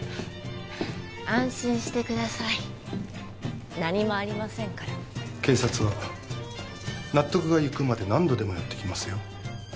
安心してください何もありませんから警察は納得がいくまで何度でもやってきますよ